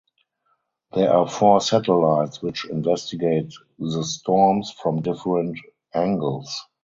There are four satellites which investigate the storms from different angles.